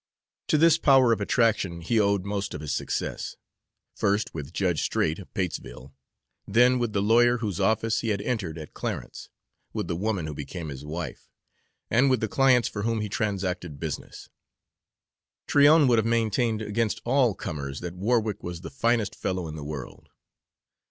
To this power of attraction he owed most of his success first with Judge Straight, of Patesville, then with the lawyer whose office he had entered at Clarence, with the woman who became his wife, and with the clients for whom he transacted business. Tryon would have maintained against all comers that Warwick was the finest fellow in the world.